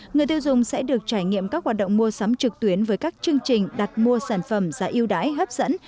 người tiêu dùng sẽ được trải nghiệm các hoạt động mua sắm trực tuyến với các chương trình đặt mua sản phẩm giá yêu đáy hấp dẫn